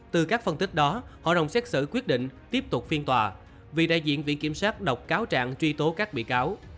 từ các phân tích đó hội đồng xét xử quyết định tiếp tục phiên tòa vì đại diện viện kiểm sát đọc cáo trạng truy tố các bị cáo